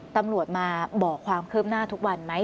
ตำรวจมาบอกความคืบหน้าทุกวันไหม